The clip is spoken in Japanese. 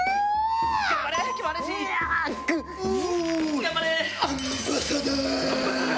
頑張れ！